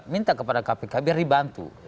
minta kepada kpk biar dibantu